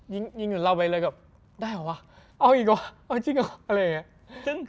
ยิงยิงกับเราไปเลยแบบได้เหรอวะเอาอีกหรอเอาจริงเหรออะไรอย่างเงี้ย